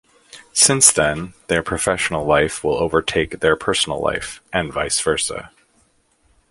Since then, their professional life will overtake their personal life, and vice versa.